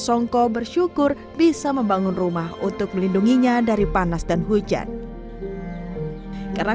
songko bersyukur bisa membangun rumah untuk melindunginya dari panas dan hujan karena